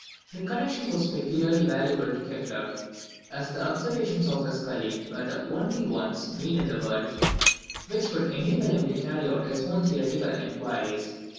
This connexion was peculiarly valuable to Kepler, as the observations of his colleague were the only ones made in the world which could enable him to carry on his own theoretical inquiries.